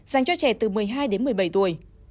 dành cho trẻ từ một mươi hai đến một mươi bảy tuổi